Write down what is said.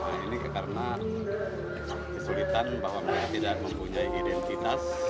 nah ini karena kesulitan bahwa mereka tidak mempunyai identitas